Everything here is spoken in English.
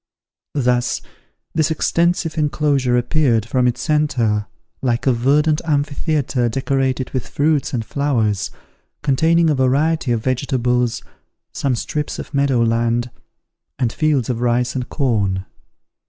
Thus this extensive enclosure appeared, from its centre, like a verdant amphitheatre decorated with fruits and flowers, containing a variety of vegetables, some strips of meadow land, and fields of rice and corn.